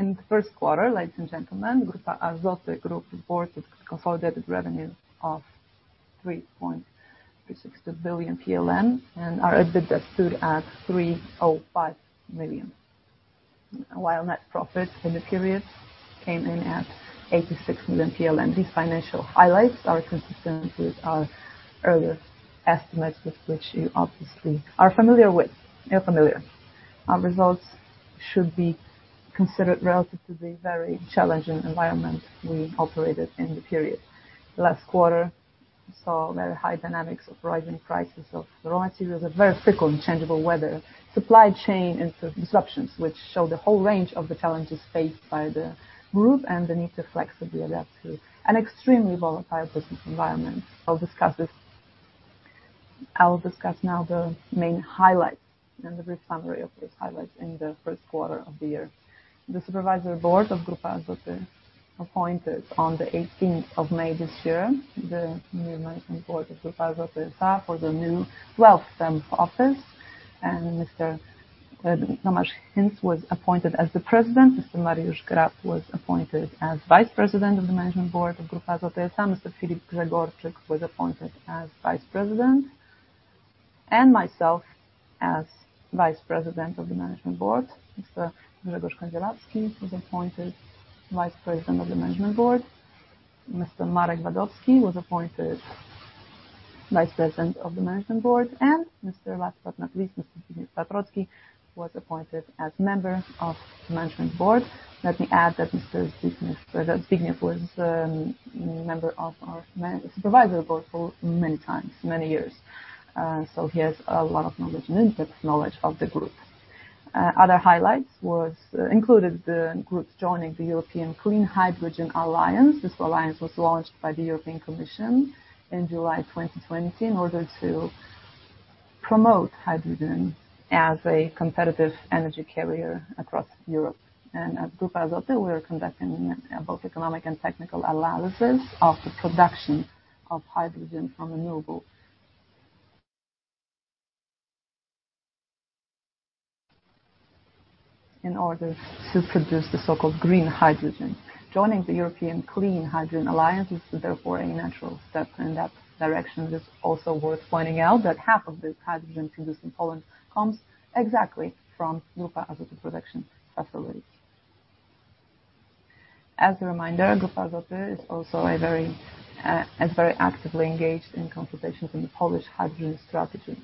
In the first quarter, ladies and gentlemen, Grupa Azoty Group reported consolidated revenue of 3.360 billion, and our EBITDA stood at 305 million. While net profit for the period came in at 86 million. These financial highlights are consistent with our earlier estimates, with which you obviously are familiar with. Our results should be considered relative to the very challenging environment we operated in the period. Last quarter, we saw very high dynamics of rising prices of raw materials, a very fickle and changeable weather, supply chain disruptions, which show the whole range of the challenges faced by the Group and the need to flexibly adapt to an extremely volatile business environment. I'll discuss now the main highlights and the brief summary of those highlights in the first quarter of the year. The Supervisory Board of Grupa Azoty appointed on the 18th of May this year, the new Management Board of Grupa Azoty S.A. for the new 12th term of office. Mr. Tomasz Hinc was appointed as the President. Mr. Mariusz Grab was appointed as Vice President of the Management Board of Grupa Azoty S.A. Mr. Filip Grzegorczyk was appointed as Vice President. Myself as Vice President of the Management Board. Mr. Grzegorz Kądzielawski was appointed Vice President of the Management Board. Mr. Marek Wadowski was appointed Vice President of the Management Board. Last but not least, Mr. Zbigniew Paprocki was appointed as member of the Management Board. Let me add that Mr. Zbigniew was a member of our Supervisory Board for many years, so he has a lot of in-depth knowledge of the Group. Other highlights included the Group joining the European Clean Hydrogen Alliance. This alliance was launched by the European Commission in July 2020 in order to promote hydrogen as a competitive energy carrier across Europe. At Grupa Azoty, we are conducting both economic and technical analysis of the production of hydrogen from renewable in order to produce the so-called green hydrogen. Joining the European Clean Hydrogen Alliance is therefore a natural step in that direction. It is also worth pointing out that half of the hydrogen produced in Poland comes exactly from Grupa Azoty production facilities. As a reminder, Grupa Azoty is very actively engaged in consultations in the Polish Hydrogen Strategy.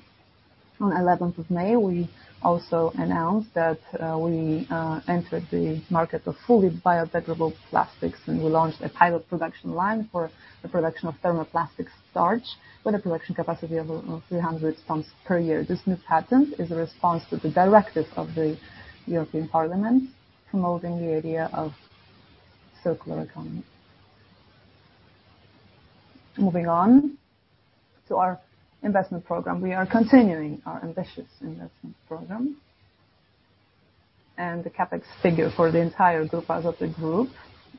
On 11th of May, we also announced that we entered the market of fully biodegradable plastics, and we launched a pilot production line for the production of thermoplastic starch with a production capacity of 300 tons per year. This new patent is a response to the directive of the European Parliament promoting the idea of circular economy. Moving on to our investment program. We are continuing our ambitious investment program, and the CapEx figure for the entire Grupa Azoty Group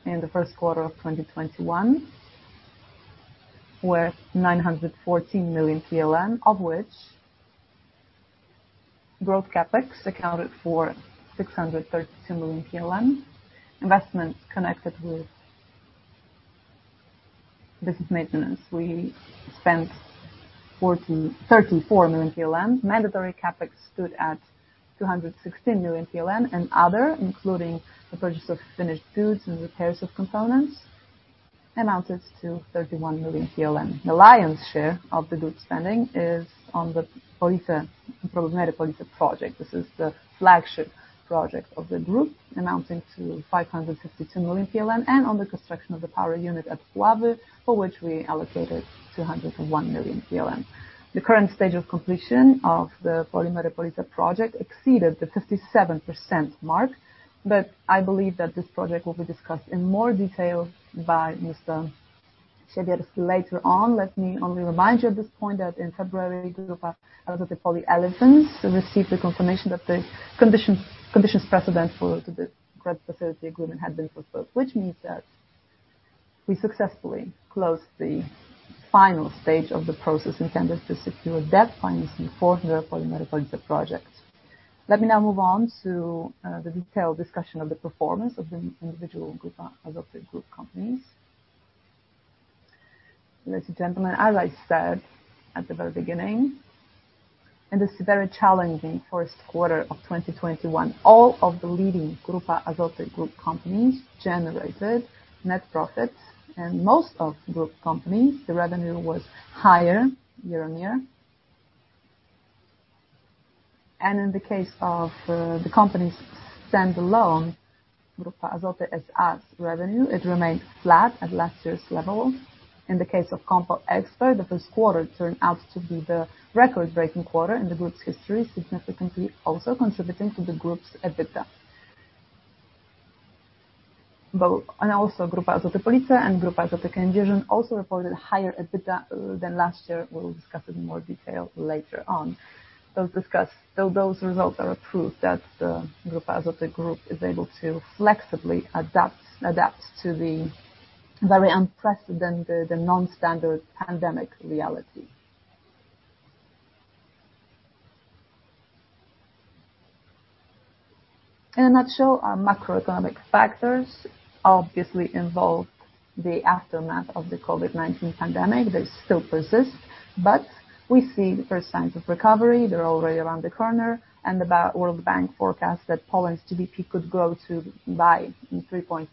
in the first quarter of 2021, were 914 million PLN, of which growth CapEx accounted for 632 million PLN. Investments connected with business maintenance, we spent 34 million PLN. Mandatory CapEx stood at 216 million PLN, and other, including the purchase of finished goods and repairs of components, amounted to 31 million. The lion's share of the Group's spending is on the Polimery Police project. This is the flagship project of the Group, amounting to 552 million and on the construction of the power unit at Puławy, for which we allocated 201 million. The current stage of completion of the Polimery Police project exceeded the 57% mark, but I believe that this project will be discussed in more detail by Mr. Siewierski later on. Let me only remind you at this point that in February, Grupa Azoty Polyolefins received the confirmation that the conditions precedent for the credit facility agreement had been fulfilled, which means that we successfully closed the final stage of the process intended to secure debt financing for the Polimery Police project. Let me now move on to the detailed discussion of the performance of the individual Grupa Azoty Group companies. Ladies and gentlemen, as I said at the very beginning, in this very challenging first quarter of 2021. All of the leading Grupa Azoty Group companies generated net profits, and most of Group companies, the revenue was higher year-on-year. In the case of the company's stand-alone, Grupa Azoty S.A.'s revenue, it remained flat at last year's level. In the case of COMPO EXPERT, the first quarter turned out to be the record-breaking quarter in the Group's history, significantly also contributing to the Group's EBITDA. Grupa Azoty Police and Grupa Azoty Kędzierzyn also reported higher EBITDA than last year. We will discuss it in more detail later on. Those results are a proof that the Grupa Azoty Group is able to flexibly adapt to the very unprecedented and non-standard pandemic reality. In a nutshell, our macroeconomic factors obviously involve the aftermath of the COVID-19 pandemic that still persists, but we see the first signs of recovery. They're already around the corner, the World Bank forecasts that Poland's GDP could grow by 3.3%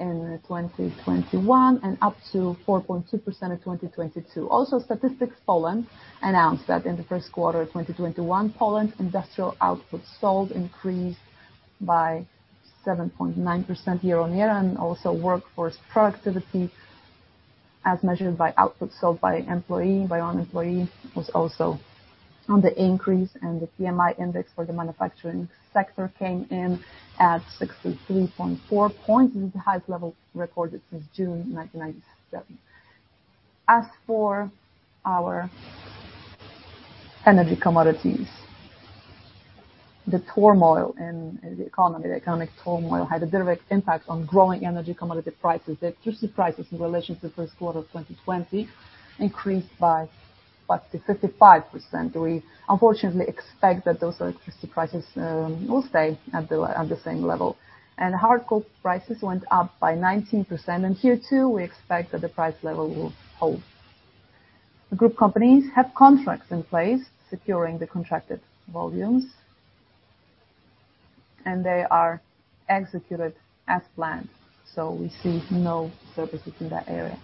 in 2021 and up to 4.2% in 2022. Statistics Poland announced that in the first quarter of 2021, Poland's industrial output sold increased by 7.9% year-on-year. Also workforce productivity, as measured by output sold by employee, by own employee, was also on the increase. The PMI index for the manufacturing sector came in at 63.4 points. It's the highest level recorded since June 1997. As for our energy commodities, the turmoil in the economy, the economic turmoil, had a direct impact on growing energy commodity prices. The electricity prices in relation to first quarter 2020 increased by up to 55%. We unfortunately expect that those electricity prices will stay at the same level. Hard coal prices went up by 19% in Q2. We expect that the price level will hold. The Group companies have contracts in place securing the contracted volumes. They are executed as planned. We see no services in that area.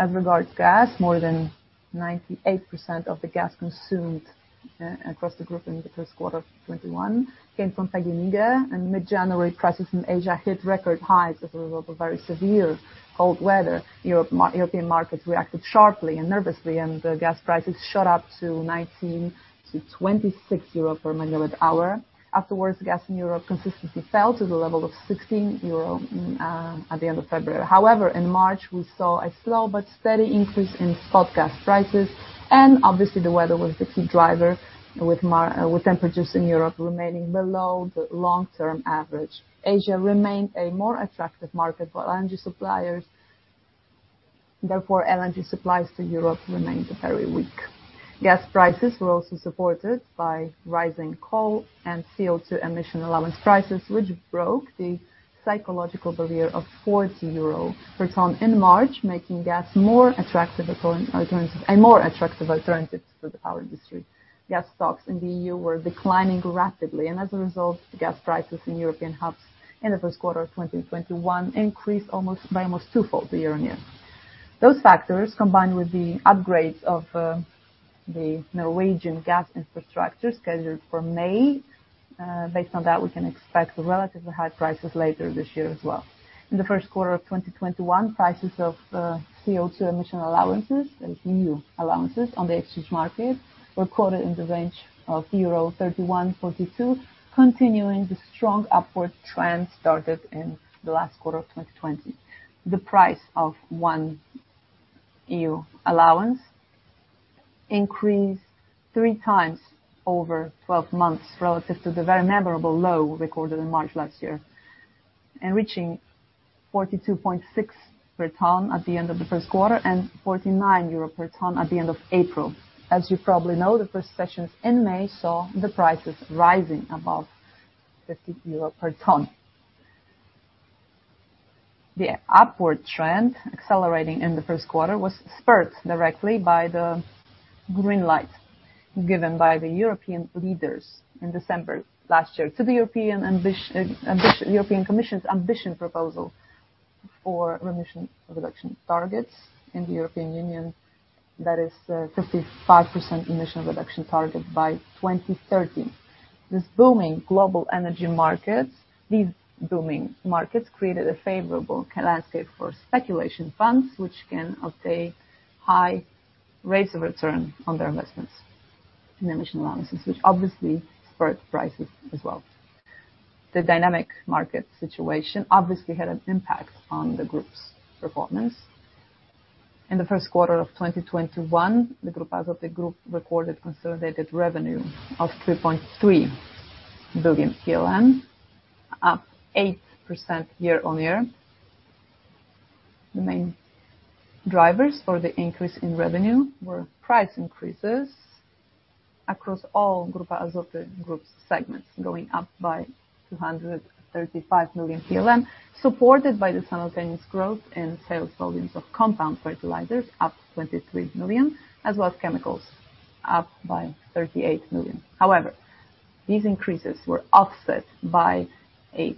As regards gas, more than 98% of the gas consumed across the Group in the first quarter of 2021 came from PGNiG. In mid-January, prices in Asia hit record highs as a result of very severe cold weather. European markets reacted sharply and nervously, the gas prices shot up to 19-26 euro per megawatt hour. Afterwards, gas in Europe consistently fell to the level of 16 euro at the end of February. In March, we saw a slow but steady increase in spot gas prices and obviously the weather was a key driver with temperatures in Europe remaining below the long-term average. Asia remained a more attractive market for LNG suppliers. LNG supplies to Europe remained very weak. Gas prices were also supported by rising coal and CO2 emission allowance prices, which broke the psychological barrier of 40 euro per ton in March, making gas a more attractive alternative to the power district. Gas stocks in the EU were declining rapidly, as a result, gas prices in European hubs in the first quarter of 2021 increased almost twofold year-on-year. Those factors, combined with the upgrades of the Norwegian gas infrastructure scheduled for May, based on that, we can expect relatively high prices later this year as well. In the first quarter of 2021, prices of CO2 emission allowances, EU allowances, on the exchange markets were quoted in the range of 31-42 euro, continuing the strong upward trend started in the last quarter of 2020. The price of one EU allowance increased 3x over 12 months relative to the very memorable low recorded in March last year, and reaching 42.6 per ton at the end of the first quarter, and 49 euro per ton at the end of April. As you probably know, the first sessions in May saw the prices rising above 50 euro per ton. The upward trend accelerating in the first quarter was spurred directly by the green light given by the European leaders in December last year to the European Commission's ambition proposal for emission reduction targets in the European Union. That is a 55% emission reduction target by 2030. These booming global energy markets created a favorable climate for speculation funds, which can obtain high rates of return on their investments in emission allowances, which obviously spurred prices as well. The dynamic market situation obviously had an impact on the Group's performance. In the first quarter of 2021, the Grupa Azoty Group recorded consolidated revenue of PLN 3.3 billion, up 8% year-on-year. The main drivers for the increase in revenue were price increases across all Grupa Azoty Group segments, going up by 235 million, supported by the simultaneous growth in sales volumes of compound fertilizers, up 23 million, as well as chemicals, up by 38 million. These increases were offset by a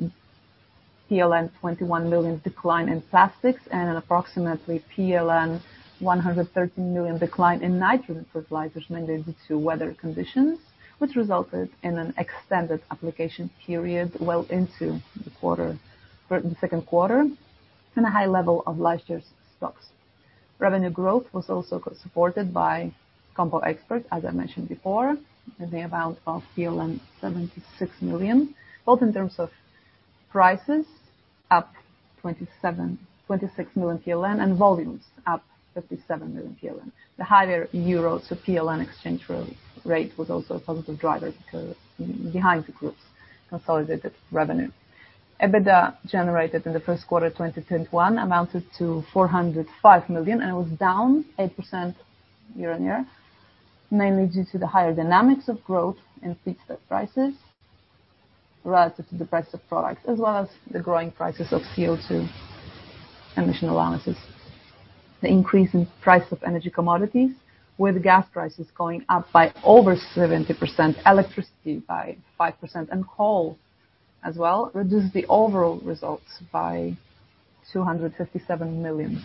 PLN 21 million decline in plastics and an approximately PLN 113 million decline in nitrogen fertilizers mainly due to weather conditions, which resulted in an extended application period well into the second quarter and a high level of last year's stocks. Revenue growth was also supported by COMPO EXPERT, as I mentioned before, in the amount of PLN 76 million. Both in terms of prices, up PLN 26 million, and volumes up PLN 57 million. The higher euro to PLN exchange rate was also a positive driver behind the Group's consolidated revenue. EBITDA generated in the first quarter 2021 amounted to 405 million, and was down 8% year-on-year, mainly due to the higher dynamics of growth in feedstock prices relative to the price of products, as well as the growing prices of CO2 emission allowances. The increase in price of energy commodities, with gas prices going up by over 70%, electricity by 5%, and coal as well, reduced the overall results by 257 million.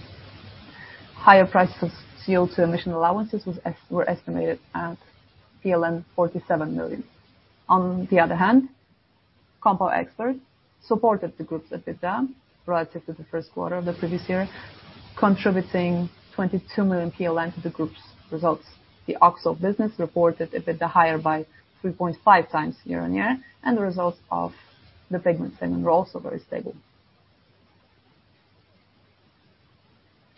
Higher prices of CO2 emission allowances were estimated at PLN 47 million. COMPO EXPERT supported the Group's EBITDA relative to the first quarter of the previous year, contributing PLN 22 million to the Group's results. The OXO business reported EBITDA higher by 3.5x year-on-year. The results of the pigment segment were also very stable.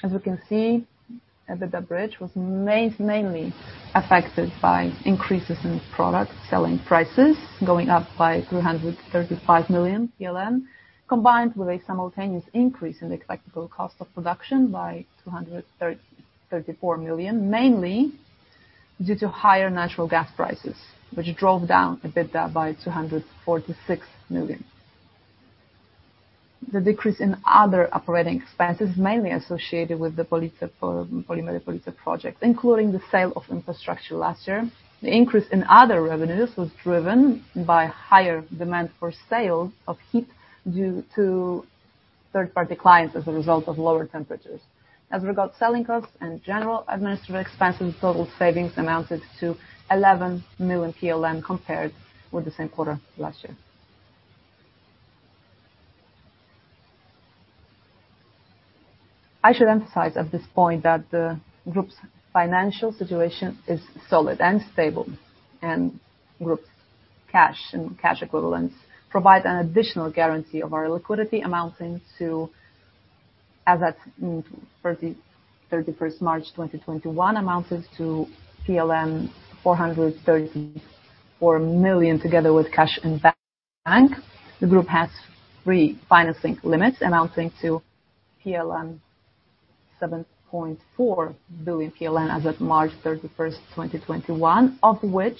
As we can see, EBITDA bridge was mainly affected by increases in product selling prices going up by PLN 335 million, combined with a simultaneous increase in the flexible cost of production by 234 million, mainly due to higher natural gas prices, which drove down EBITDA by 246 million. The decrease in other operating expenses mainly associated with the Polimery Police project, including the sale of infrastructure last year. The increase in other revenues was driven by higher demand for sale of heat due to third-party clients as a result of lower temperatures. As regards selling costs and general administrative expenses, total savings amounted to PLN 11 million compared with the same quarter last year. I should emphasize at this point that the Group's financial situation is solid and stable, and Group's cash and cash equivalents provide an additional guarantee of our liquidity amounting to, as at 31st March, 2021, amounted to 434 million, together with cash in bank. The Group has three financing limits amounting to PLN 7.4 billion as of March 31st, 2021, of which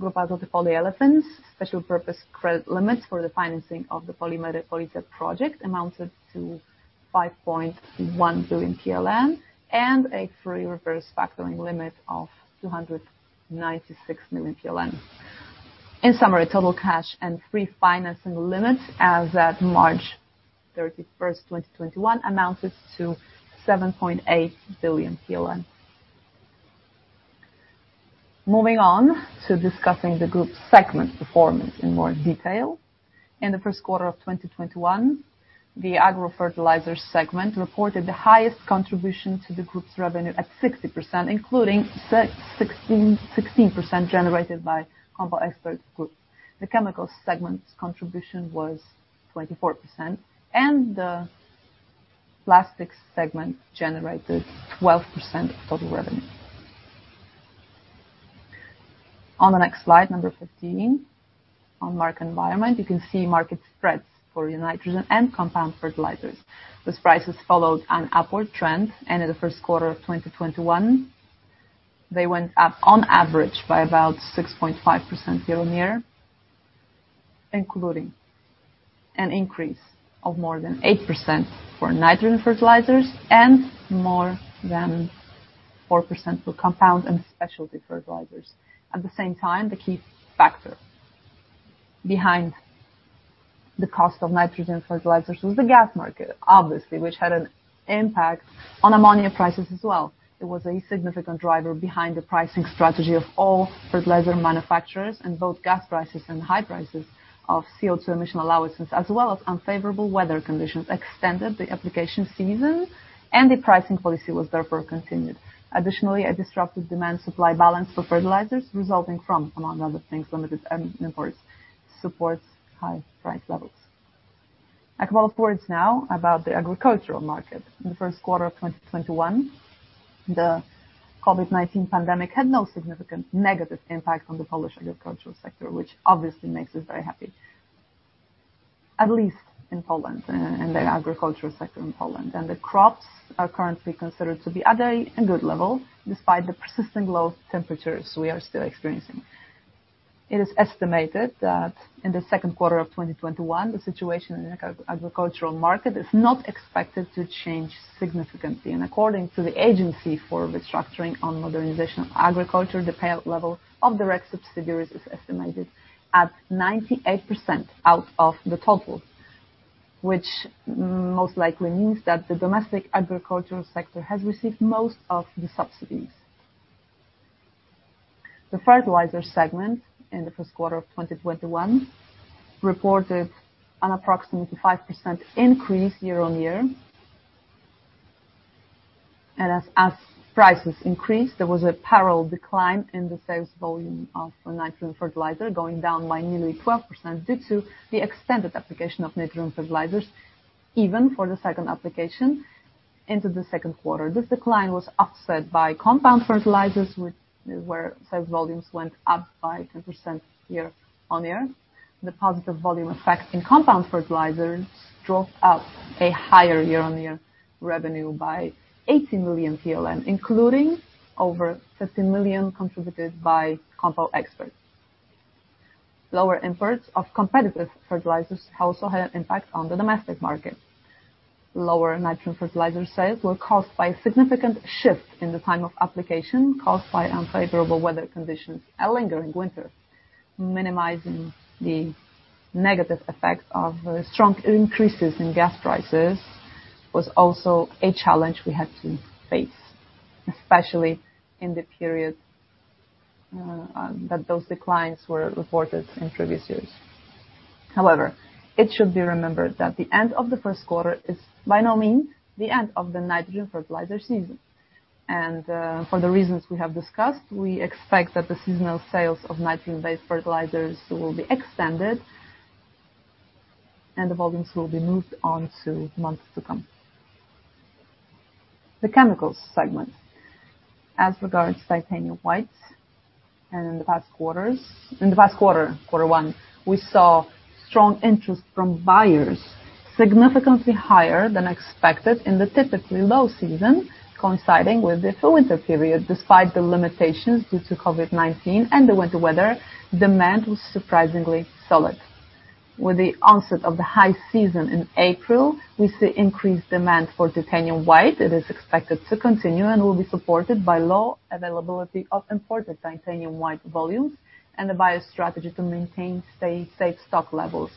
Grupa Azoty Polyolefins' special purpose credit limits for the financing of the Polimery Police project amounted to 5.1 billion PLN and a free reverse factoring limit of 296 million PLN. In summary, total cash and free financing limits as at March 31st, 2021, amounted to PLN 7.8 billion. Moving on to discussing the Group's segment performance in more detail. In the first quarter of 2021, the Agro Fertilizer segment reported the highest contribution to the Group's revenue at 60%, including 16% generated by COMPO EXPERT Group. The Chemical segment's contribution was 24%, and the Plastics segment generated 12% of total revenue. On the next slide, number 15, on market environment. You can see market spreads for nitrogen and compound fertilizers, whose prices followed an upward trend. In the first quarter of 2021, they went up on average by about 6.5% year-on-year, including an increase of more than 8% for nitrogen fertilizers and more than 4% for compound and specialty fertilizers. At the same time, the key factor behind the cost of nitrogen fertilizers was the gas market, obviously, which had an impact on ammonia prices as well. It was a significant driver behind the pricing strategy of all fertilizer manufacturers and both gas prices and high prices of CO2 emission allowances, as well as unfavorable weather conditions extended the application season and the pricing policy was therefore continued. Additionally, a disrupted demand-supply balance for fertilizers resulting from, among other things, limited imports supports high price levels. A couple of words now about the agricultural market. In the first quarter of 2021, the COVID-19 pandemic had no significant negative impact on the Polish agricultural sector, which obviously makes us very happy, at least in Poland and the agricultural sector in Poland. The crops are currently considered to be at a good level, despite the persistent low temperatures we are still experiencing. It is estimated that in the second quarter of 2021, the situation in the agricultural market is not expected to change significantly. According to the Agency for Restructuring and Modernization of Agriculture, the payout level of direct subsidies is estimated at 98% out of the total, which most likely means that the domestic agricultural sector has received most of the subsidies. The Fertilizer segment in the first quarter of 2021 reported an approximately 5% increase year-on-year. As prices increased, there was a parallel decline in the sales volume of nitrogen fertilizer going down by nearly 12% due to the extended application of nitrogen fertilizers even for the second application into the second quarter. This decline was offset by compound fertilizers, where sales volumes went up by 10% year-on-year. The positive volume effect in compound fertilizers drove up a higher year-on-year revenue by 80 million, including over 15 million contributed by COMPO EXPERT. Lower imports of competitive fertilizers also had an impact on the domestic market. Lower nitrogen fertilizer sales were caused by a significant shift in the time of application caused by unfavorable weather conditions, a lingering winter. Minimizing the negative effects of strong increases in gas prices was also a challenge we had to face, especially in the period that those declines were reported in previous years. However, it should be remembered that the end of the first quarter is by no means the end of the nitrogen fertilizer season. For the reasons we have discussed, we expect that the seasonal sales of nitrogen-based fertilizers will be extended and the volumes will be moved on to months to come. The Chemicals segment. As regards titanium white in the past quarter one, we saw strong interest from buyers significantly higher than expected in the typically low season coinciding with the winter period. Despite the limitations due to COVID-19 and the winter weather, demand was surprisingly solid. With the onset of the high season in April, we see increased demand for titanium white. It is expected to continue and will be supported by low availability of imported titanium white volumes and the buyer's strategy to maintain safe stock levels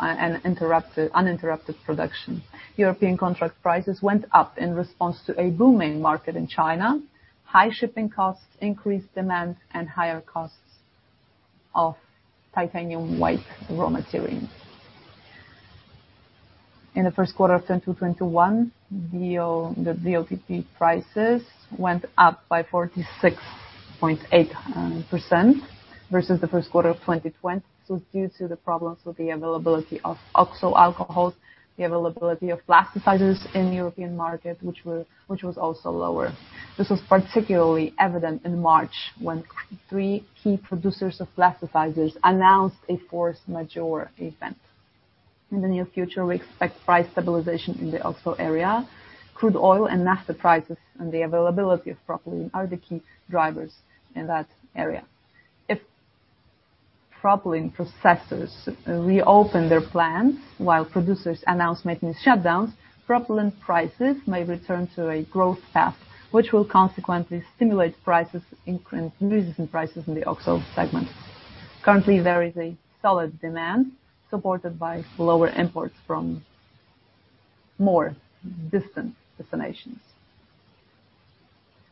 and uninterrupted production. European contract prices went up in response to a booming market in China, high shipping costs, increased demand, and higher costs of titanium white raw materials. In the first quarter of 2021, the DOTP prices went up by 46.8% versus the first quarter of 2020. This was due to the problems with the availability of OXO alcohols, the availability of plasticizers in the European market, which was also lower. This was particularly evident in March when three key producers of plasticizers announced a force majeure event. In the near future, we expect price stabilization in the OXO area. Crude oil and naphtha prices and the availability of propylene are the key drivers in that area. If propylene processors reopen their plants while producers announce maintenance shutdowns, propylene prices may return to a growth path, which will consequently stimulate increases in prices in the OXO segment. Currently, there is a solid demand supported by lower imports from more distant destinations.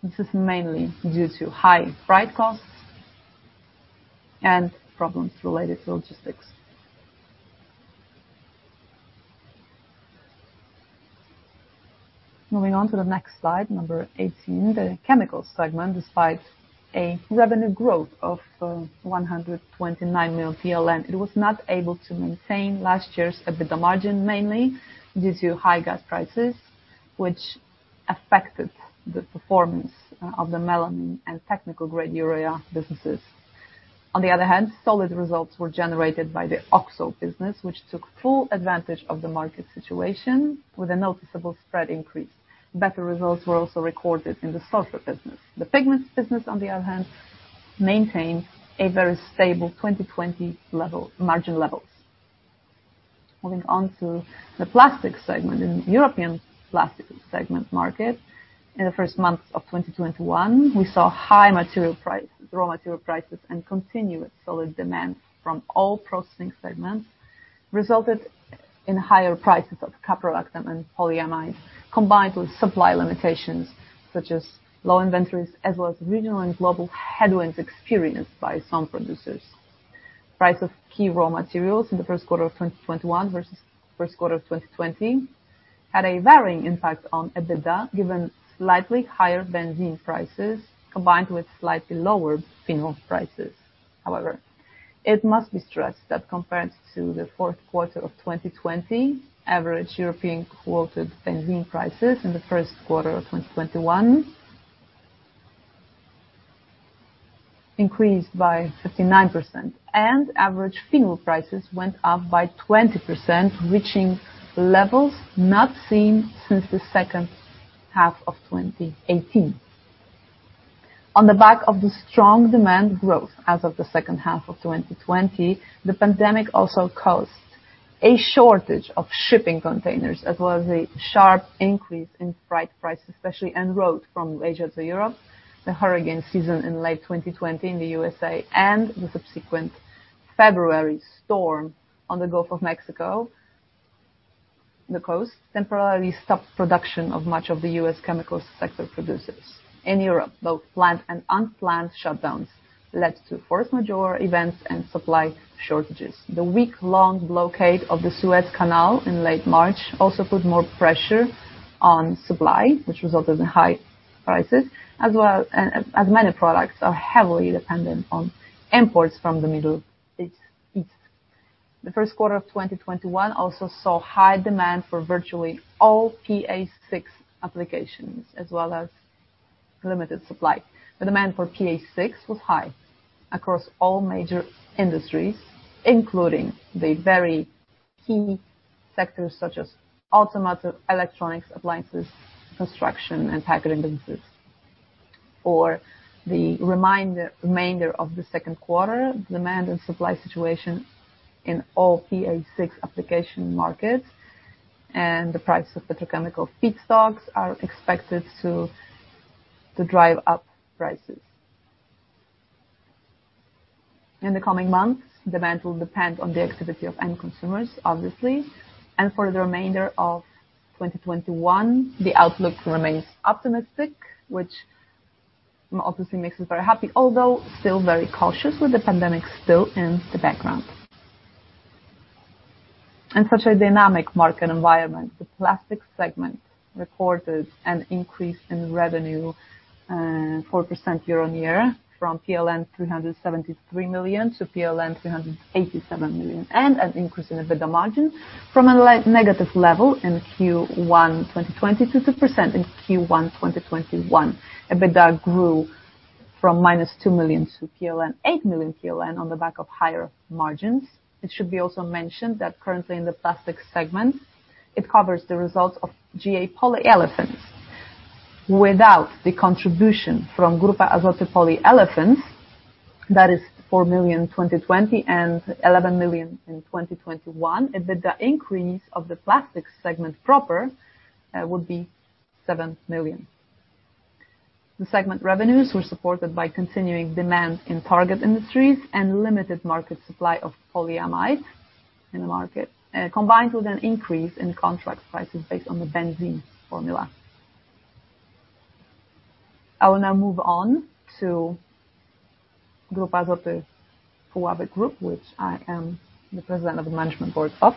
This is mainly due to high freight costs and problems related to logistics. Moving on to the next slide, number 18. The Chemical segment. Despite a revenue growth of 129 million PLN, it was not able to maintain last year's EBITDA margin, mainly due to high gas prices, which affected the performance of the melamine and technical-grade urea businesses. On the other hand, solid results were generated by the OXO business, which took full advantage of the market situation with a noticeable spread increase. Better results were also recorded in the sulfur business. The pigments business, on the other hand, maintained a very stable 2020 margin levels. Moving on to the Plastic segment. In the European Plastic segment market, in the first months of 2021, we saw high raw material prices and continuous solid demand from all processing segments resulted in higher prices of caprolactam and polyamide, combined with supply limitations such as low inventories, as well as regional and global headwinds experienced by some producers. Price of key raw materials in the first quarter of 2021 versus first quarter of 2020 had a varying impact on EBITDA, given slightly higher benzene prices combined with slightly lower phenol prices. However, it must be stressed that compared to the fourth quarter of 2020, average European quoted benzene prices in the first quarter of 2021 increased by 59%, and average phenol prices went up by 20%, reaching levels not seen since the second half of 2018. On the back of the strong demand growth as of the second half of 2020, the pandemic also caused a shortage of shipping containers as well as a sharp increase in freight prices especially en route from Asia to Europe. The hurricane season in late 2020 in the U.S.A. and the subsequent February storm on the Gulf of Mexico, the coast temporarily stopped production of much of the U.S. chemical sector producers. In Europe, both planned and unplanned shutdowns led to force majeure events and supply shortages. The week-long blockade of the Suez Canal in late March also put more pressure on supply, which resulted in high prices as many products are heavily dependent on imports from the Middle East. The first quarter of 2021 also saw high demand for virtually all PA6 applications, as well as limited supply. The demand for PA6 was high across all major industries, including the very key sectors such as automotive, electronics, appliances, construction, and target industries. For the remainder of the second quarter, demand and supply situation in all PA6 application markets and the price of petrochemical feedstocks are expected to drive up prices. In the coming months, demand will depend on the activity of end consumers, obviously. For the remainder of 2021, the outlook remains optimistic, which obviously makes us very happy, although still very cautious with the pandemic still in the background. In such a dynamic market environment, the Plastic segment recorded an increase in revenue, 4% year-on-year, from PLN 373 million to PLN 387 million, and an increase in EBITDA margin from a negative level in Q1 2020 to 2% in Q1 2021. EBITDA grew from -2 million PLN to 8 million PLN on the back of higher margins. It should be also mentioned that currently in the Plastic segment, it covers the results of GA Polyolefins. Without the contribution from Grupa Azoty Polyolefins, that is 4 million in 2020 and 11 million in 2021, EBITDA increase of the Plastic segment proper would be 7 million. The segment revenues were supported by continuing demand in target industries and limited market supply of polyamide in the market, combined with an increase in contract prices based on the benzene formula. I will now move on to Grupa Azoty Puławy Group, which I am the President of the management Board of.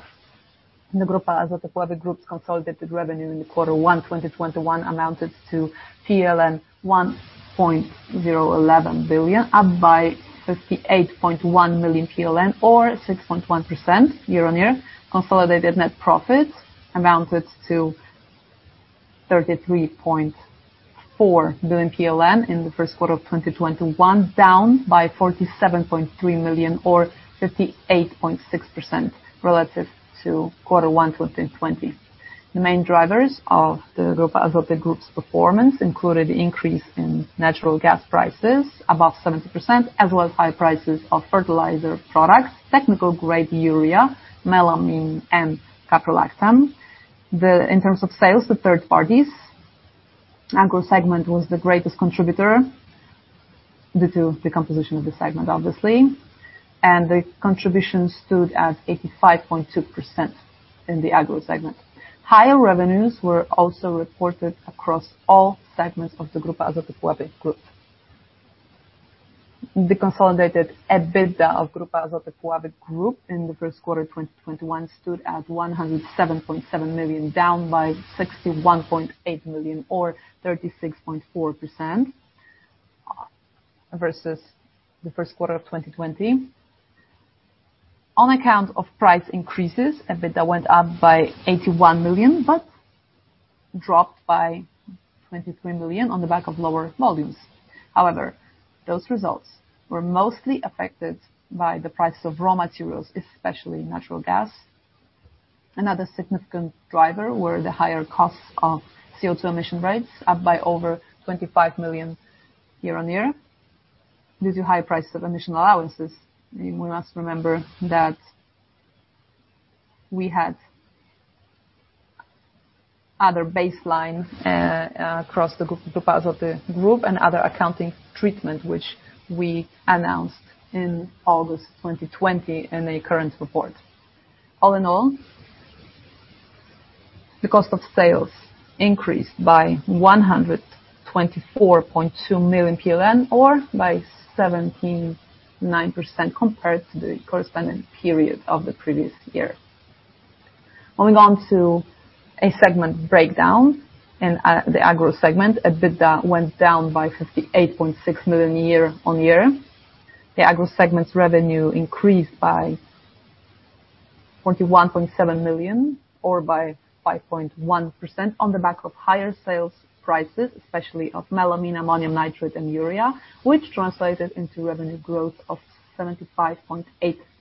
The Grupa Azoty Puławy Group's consolidated revenue in the quarter one 2021 amounted to PLN 1.011 billion, up by 58.1 million PLN or 6.1% year-on-year. Consolidated net profits amounted to PLN 33.4 billion in the first quarter of 2021, down by 47.3 million or 58.6% relative to quarter one 2020. The main drivers of the Grupa Azoty Group's performance included increase in natural gas prices above 70%, as well as high prices of fertilizer products, technical-grade urea, melamine, and caprolactam. In terms of sales to third parties, Agro segment was the greatest contributor due to the composition of the segment, obviously, and the contribution stood at 85.2% in the Agro segment. Higher revenues were also reported across all segments of the Grupa Azoty Puławy Group. The consolidated EBITDA of Grupa Azoty Puławy Group in the first quarter 2021 stood at 107.7 million, down by 61.8 million or 36.4% versus the first quarter of 2020. On account of price increases, EBITDA went up by 81 million, but dropped by 23 million on the back of lower volumes. However, those results were mostly affected by the price of raw materials, especially natural gas. Another significant driver were the higher costs of CO2 emission rates, up by over 25 million year-on-year due to high prices of emission allowances. You must remember that we had other baseline across the Grupa Azoty Group and other accounting treatment, which we announced in August 2020 in a current report. All in all, the cost of sales increased by PLN 124.2 million or by 79% compared to the corresponding period of the previous year. Moving on to a segment breakdown. In the Agro segment, EBITDA went down by 58.6 million year-on-year. The Agro segment's revenue increased by 41.7 million or by 5.1% on the back of higher sales prices, especially of melamine, ammonium nitrate, and urea, which translated into revenue growth of 75.8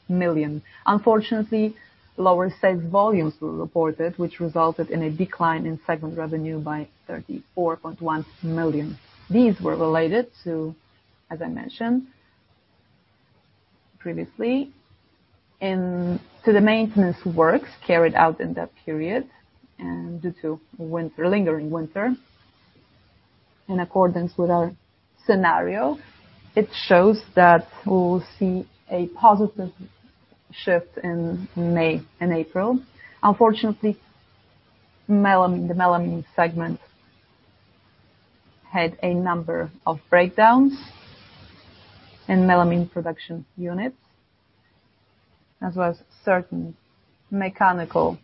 million. Unfortunately, lower sales volumes were reported, which resulted in a decline in segment revenue by 34.1 million. These were related to, as I mentioned previously, the maintenance works carried out in that period and due to lingering winter. In accordance with our scenario, it shows that we'll see a positive shift in May and April. The melamine segment had a number of breakdowns in melamine production units, as well as certain mechanical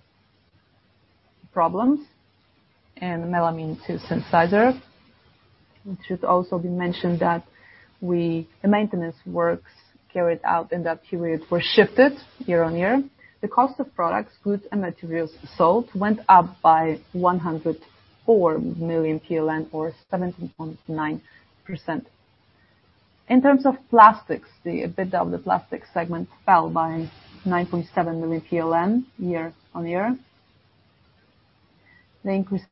problems and melamine synthesizer. It should also be mentioned that the maintenance works carried out in that period were shifted year-on-year. The cost of products, goods, and materials sold went up by 104 million PLN, or 17.9%. In terms of Plastics, the EBITDA of the Plastics segment fell by PLN 9.7 million year-on-year. The increase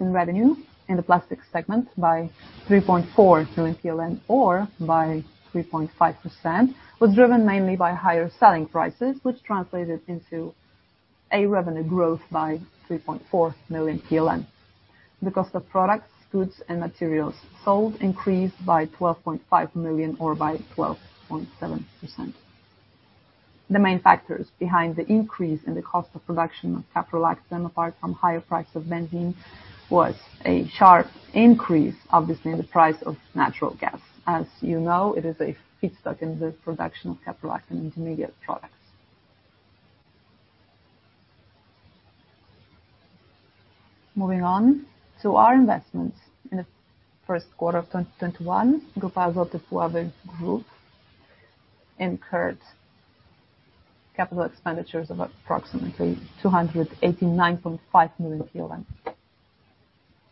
in revenue in the Plastics segment by PLN 3.4 million or by 3.5% was driven mainly by higher selling prices, which translated into a revenue growth by PLN 3.4 million. The cost of products, goods, and materials sold increased by 12.5 million or by 12.7%. The main factors behind the increase in the cost of production of caprolactam, apart from higher price of benzene, was a sharp increase, obviously, in the price of natural gas. As you know, it is a feedstock in the production of caprolactam intermediate products. Moving on to our investments. In the first quarter of 2021, Grupa Azoty Puławy Group incurred capital expenditures of approximately 289.5 million.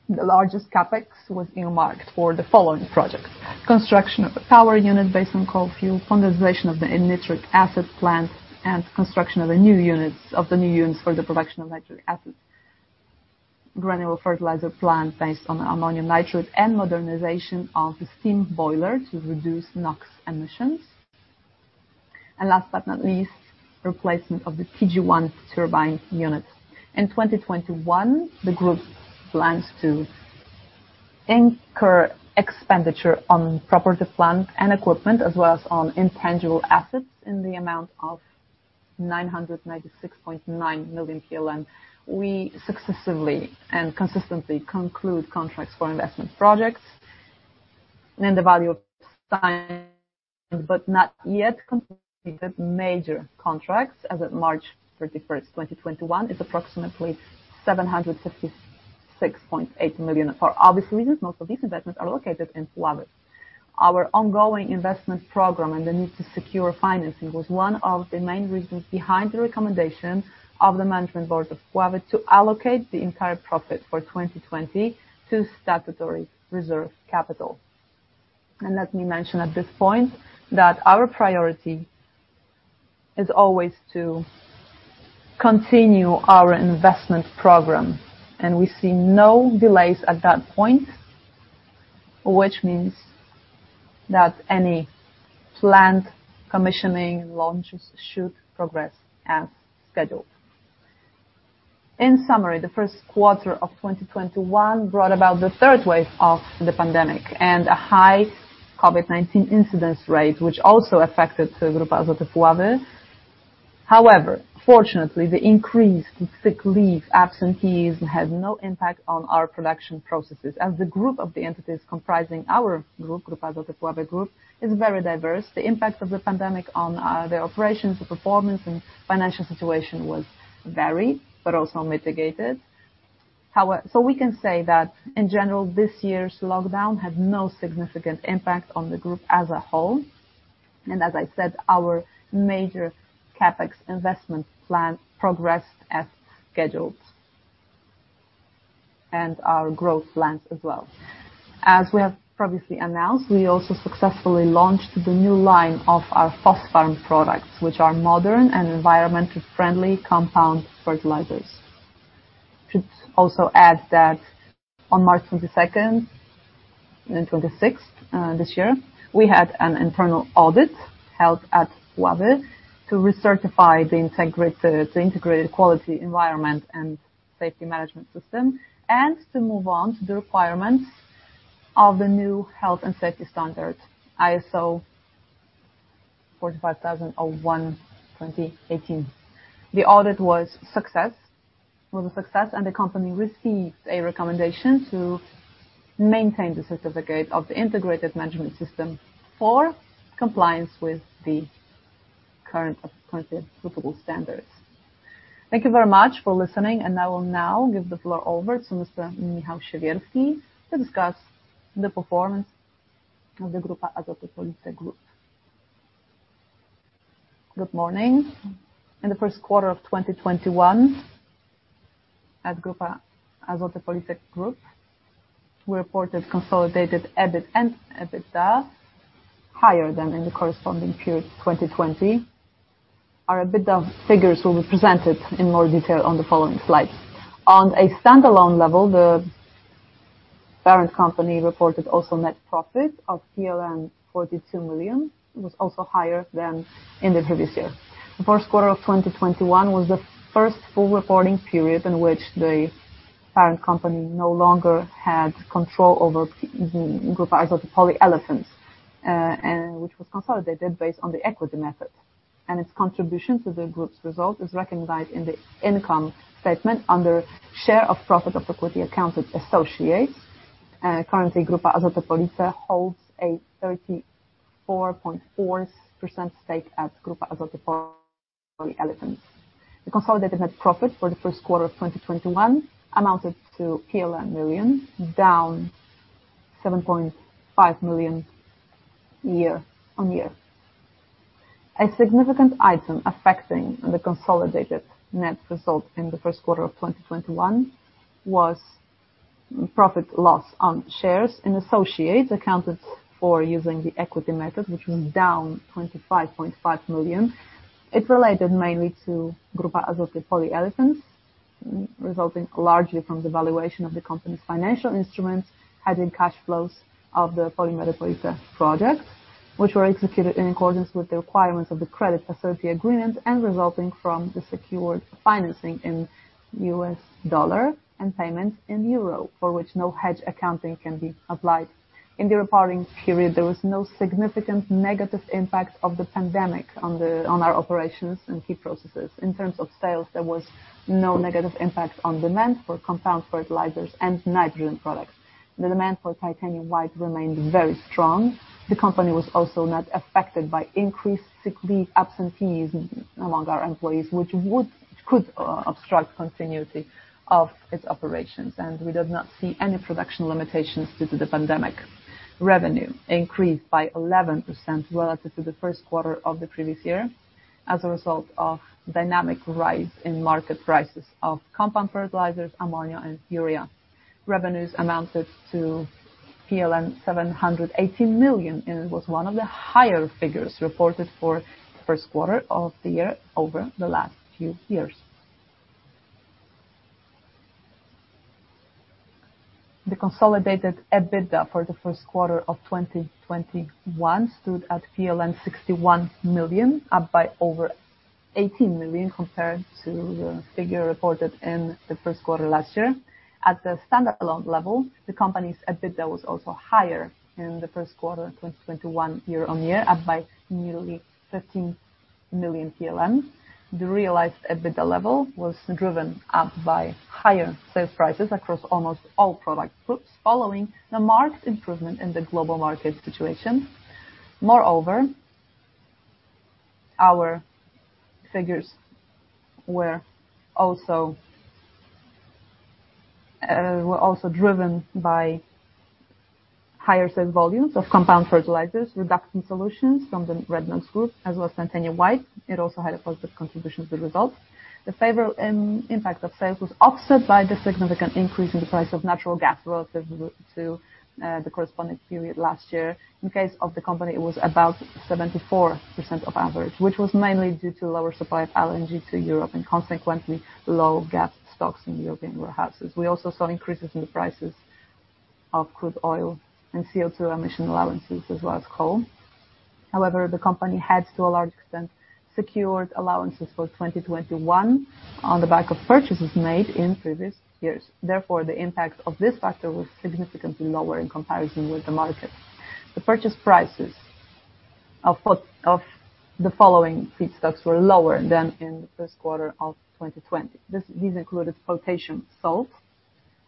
The largest CapEx was earmarked for the following projects: construction of a power unit based on coal fuel, foundation of the nitric acid plant, and construction of the new units for the production of nitric acid, granular fertilizer plant based on ammonium nitrate and modernization of the steam boiler to reduce NOx emissions, and last but not least, replacement of the TG1 turbine unit. In 2021, the Group plans to incur expenditure on property, plant, and equipment, as well as on intangible assets in the amount of 996.9 million PLN. We successively and consistently conclude contracts for investment projects and the value of signed but not yet completed major contracts as at March 31st, 2021, is approximately 756.8 million. Obviously, most of these investments are located in Puławy. Our ongoing investment program and the need to secure financing was one of the main reasons behind the recommendation of the Management Board of Puławy to allocate the entire profit for 2020 to statutory reserve capital. Let me mention at this point that our priority is always to continue our investment program, and we see no delays at that point, which means that any planned commissioning launches should progress as scheduled. In summary, the first quarter of 2021 brought about the third wave of the pandemic and a high COVID-19 incidence rate, which also affected Grupa Azoty Puławy. However, fortunately, the increase in sick leave absentees had no impact on our production processes. As the group of the entities comprising our Group, Grupa Azoty Puławy Group, is very diverse, the impact of the pandemic on the operations performance and financial situation was varied but also mitigated. We can say that in general, this year's lockdown had no significant impact on the Group as a whole. As I said, our major CapEx investment plan progressed as scheduled, and our growth plans as well. As we have previously announced, we also successfully launched the new line of our Fosfarm products, which are modern and environmentally friendly compound fertilizers. I should also add that on March 22nd and 26th this year, we had an internal audit held at Puławy to recertify the integrated quality environment and safety management system, and to move on to the requirements of the new health and safety standard, ISO 45001:2018. The audit was a success, and the company received a recommendation to maintain the certificate of the integrated management system for compliance with the current applicable standards. Thank you very much for listening. I will now give the floor over to Mr. Michał Siewierski to discuss the performance of the Grupa Azoty Police Group. Good morning. In the first quarter of 2021, at Grupa Azoty Police Group, we reported consolidated EBIT and EBITDA higher than in the corresponding period 2020. Our EBITDA figures will be presented in more detail on the following slides. On a standalone level, the parent company reported also net profit of 42 million, was also higher than in the previous year. The first quarter of 2021 was the first full reporting period in which the parent company no longer had control over Grupa Azoty Polyolefins, which was consolidated based on the equity method. Its contribution to the Group's result is recognized in the income statement under share of profit of equity accounted associates. Currently, Grupa Azoty Police holds a 34.4% stake at Grupa Azoty Polyolefins. The consolidated net profit for the first quarter of 2021 amounted to PLN million, down PLN 7.5 million year-on-year. A significant item affecting the consolidated net result in the first quarter of 2021 was profit loss on shares in associates accounted for using the equity method, which was down 25.5 million. It related mainly to Grupa Azoty Polyolefins, resulting largely from the valuation of the company's financial instruments and in cash flows of the Polimery Police project, which were executed in accordance with the requirements of the credit facility agreement and resulting from the secured financing in U.S. dollar and payments in euro, for which no hedge accounting can be applied. In the reporting period, there was no significant negative impact of the pandemic on our operations and key processes. In terms of sales, there was no negative impact on demand for compound fertilizers and nitrogen products. The demand for titanium white remained very strong. The company was also not affected by increased sick leave absentees among our employees, which could obstruct continuity of its operations, and we did not see any production limitations due to the pandemic. Revenue increased by 11% relative to the first quarter of the previous year as a result of dynamic rise in market prices of compound fertilizers, ammonia, and urea. Revenues amounted to PLN 780 million, and it was one of the higher figures reported for the first quarter of the year over the last few years. The consolidated EBITDA for the first quarter of 2021 stood at PLN 61 million, up by over 18 million compared to the figure reported in the first quarter last year. At the standalone level, the company's EBITDA was also higher in the first quarter of 2021 year-on-year, up by nearly 13 million. The realized EBITDA level was driven up by higher sales prices across almost all product groups, following a marked improvement in the global market situation. Our figures were also driven by higher sales volumes of compound fertilizers, reduction solutions from the RedNOx group as well as titanium white. It also had a positive contribution to the results. The favorable impact of sales was offset by the significant increase in the price of natural gas relative to the corresponding period last year. In case of the company, it was about 74% of average, which was mainly due to lower supply of LNG to Europe and consequently low gas stocks in European warehouses. We also saw increases in the prices of crude oil and CO2 emission allowances, as well as coal. However, the company had to a large extent secured allowances for 2021 on the back of purchases made in previous years. Therefore, the impact of this factor was significantly lower in comparison with the market. The purchase prices of the following feedstocks were lower than in the first quarter of 2020. These included potassium salt.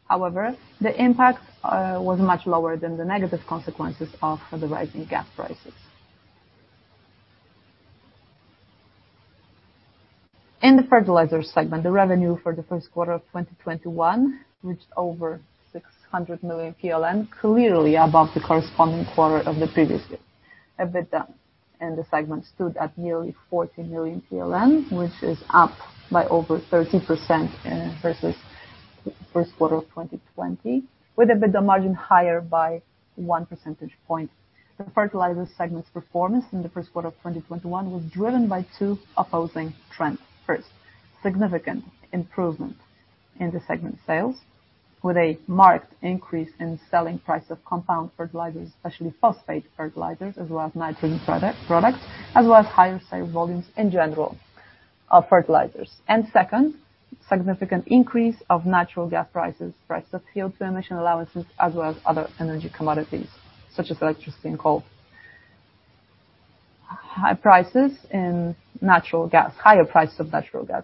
However, the impact was much lower than the negative consequences of the rising gas prices. In the Fertilizer segment, the revenue for the first quarter of 2021 reached over 600 million PLN, clearly above the corresponding quarter of the previous year. EBITDA in the segment stood at nearly 40 million PLN, which is up by over 30% versus first quarter of 2020, with EBITDA margin higher by 1 percentage point. The Fertilizer segment's performance in the first quarter of 2021 was driven by two opposing trends. First, significant improvements in the segment sales, with a marked increase in selling price of compound fertilizers, especially phosphate fertilizers as well as nitrogen products, as well as higher sale volumes in general of fertilizers. Second, significant increase of natural gas prices, price of CO2 emission allowances, as well as other energy commodities such as electricity and coal. Higher prices of natural gas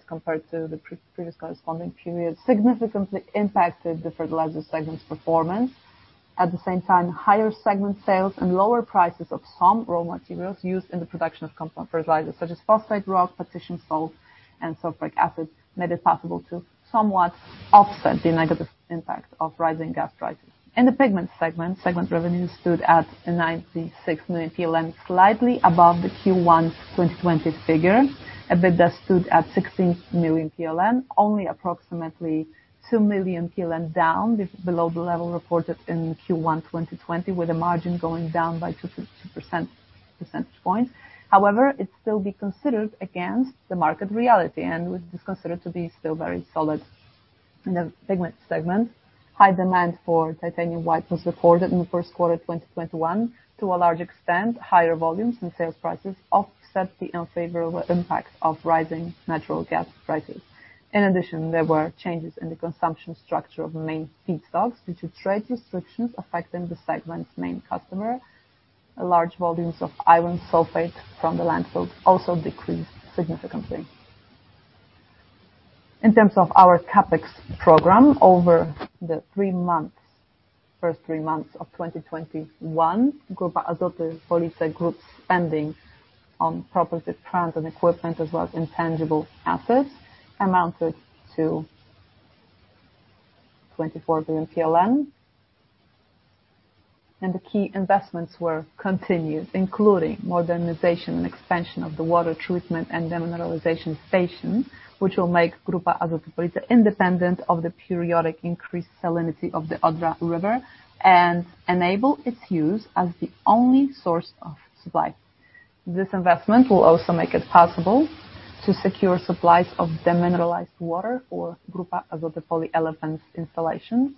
compared to the previous corresponding period significantly impacted the Fertilizer segment's performance. At the same time, higher segment sales and lower prices of some raw materials used in the production of compound fertilizers such as phosphate rock, potassium salt, and sulfuric acid, made it possible to somewhat offset the negative impact of rising gas prices. In the pigment segment revenue stood at 96 million, slightly above the Q1 2020 figure. EBITDA stood at 16 million, only approximately 2 million down below the level reported in Q1 2020, with the margin going down by 2 percentage points. However, it's still to be considered against the market reality and was considered to be still very solid in the pigment segment. High demand for titanium white was reported in the first quarter of 2021. To a large extent, higher volumes and sales prices offset the unfavorable impact of rising natural gas prices. In addition, there were changes in the consumption structure of main feedstocks due to trade restrictions affecting the segment's main customer. Large volumes of iron sulfate from the landfill also decreased significantly. In terms of our CapEx program over the first three months of 2021, Grupa Azoty Police Group spending on property, plant, and equipment, as well as intangible assets, amounted to PLN 24 billion. The key investments were continued, including modernization and expansion of the water treatment and demineralization station, which will make Grupa Azoty Police independent of the periodic increased salinity of the Oder River and enable its use as the only source of supply. This investment will also make it possible to secure supplies of demineralized water for Grupa Azoty Polyolefins installations,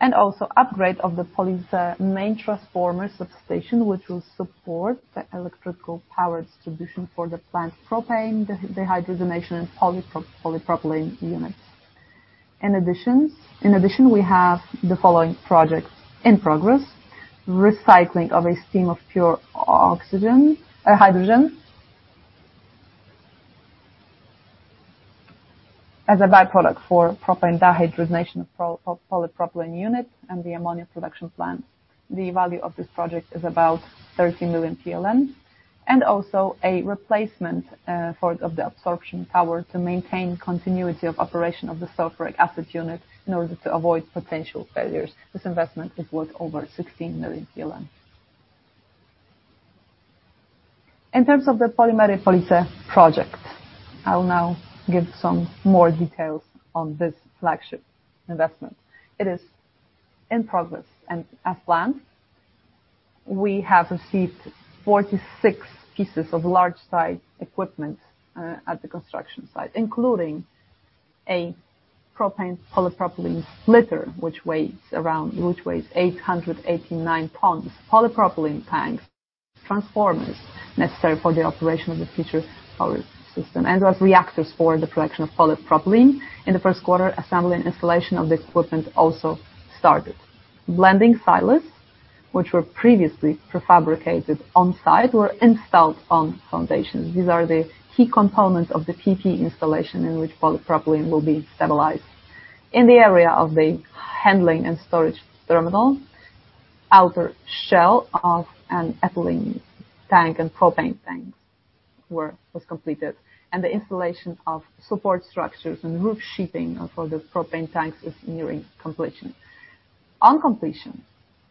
and also upgrade of the Police main transformer substation, which will support the electrical power distribution for the plant's propane dehydrogenation and polypropylene units. In addition, we have the following projects in progress: recycling of a stream of pure hydrogen as a by-product for propane dehydrogenation, polypropylene units, and the ammonia production plant. The value of this project is about 30 million PLN, and also a replacement of the absorption tower to maintain continuity of operation of the sulfuric acid unit in order to avoid potential failures. This investment is worth over 16 million. In terms of the Polimery Police project, I'll now give some more details on this flagship investment. It is in progress and as planned. We have received 46 pieces of large-size equipment at the construction site, including a propane-polypropylene splitter, which weighs 889 tons, polypropylene tanks, transformers necessary for the operation of the future polyolefins system, and reactors for the production of polypropylene. In the first quarter, assembly and installation of the equipment also started. Blending silos, which were previously prefabricated on-site, were installed on foundations. These are the key components of the key installation in which polypropylene will be stabilized. In the area of the handling and storage terminal, outer shell of an ethylene tank and propane tank was completed, and the installation of support structures and roof sheeting for the propane tanks is nearing completion. On completion,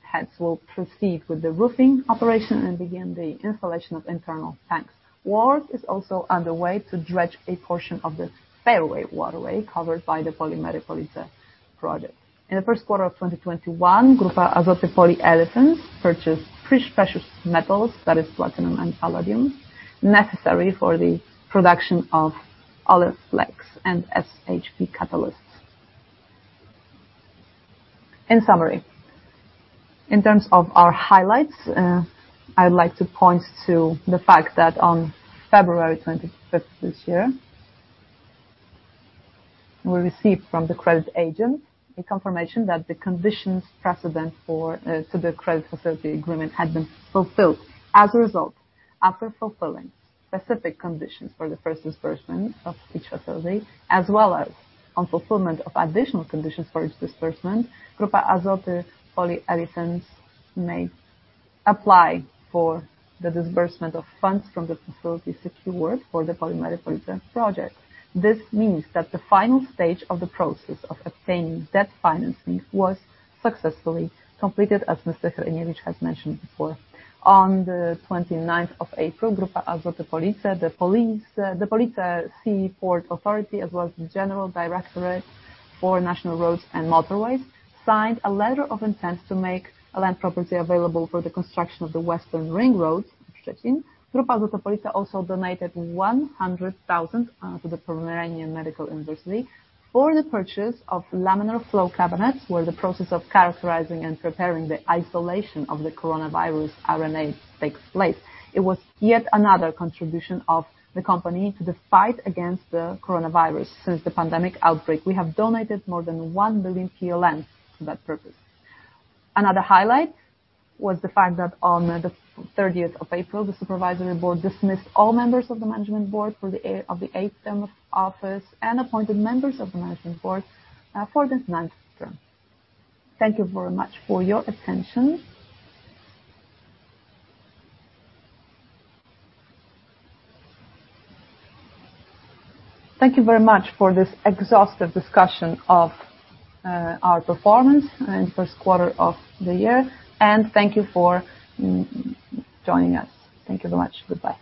[heads] will proceed with the roofing operation and begin the installation of internal tanks. Work is also underway to dredge a portion of the fairway waterway covered by the Polimery Police project. In the first quarter of 2021, Grupa Azoty Polyolefins purchased precious metals, that is platinum and palladium, necessary for the production of Oleflex and SHP catalysts. In summary, in terms of our highlights, I'd like to point to the fact that on February 25th this year, we received from the credit agent a confirmation that the conditions precedent to the credit facility agreement had been fulfilled. After fulfilling specific conditions for the first disbursement of each facility as well as on fulfillment of additional conditions for its disbursement, Grupa Azoty Polyolefins may apply for the disbursement of funds from the facility secured for the Polimery Police project. This means that the final stage of the process of obtaining debt financing was successfully completed, as Mr. Hryniewicz has mentioned before. On the 29th of April, Grupa Azoty Police, the Police Seaport Authority, as well as the General Directorate for National Roads and Motorways, signed a letter of intent to make land property available for the construction of the Western Ring Road in Szczecin. Grupa Azoty Police also donated 100,000 to the Pomeranian Medical University for the purchase of laminar flow cabinets, where the process of characterizing and preparing the isolation of the coronavirus RNA takes place. It was yet another contribution of the company to the fight against the coronavirus. Since the pandemic outbreak, we have donated more than 1 million PLN for that purpose. Another highlight was the fact that on the 30th of April, the Supervisory Board dismissed all members of the Management Board for the eighth term of office and appointed members of the Management Board for this ninth term. Thank you very much for your attention. Thank you very much for this exhaustive discussion of our performance in the first quarter of the year, and thank you for joining us. Thank you so much. Goodbye.